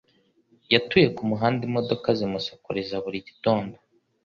Yatuye ku Muhanda imodoka zimusakuriza buri gitondo